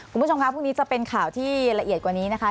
คุณผู้ชมคะพรุ่งนี้จะเป็นข่าวที่ละเอียดกว่านี้นะคะ